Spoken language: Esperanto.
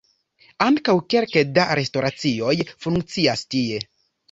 Ankaŭ kelke da restoracioj funkcias tie.